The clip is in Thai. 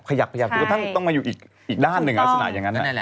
ก็ต้องมาอยู่อีกด้านหนึ่งลักษณะอย่างนั้น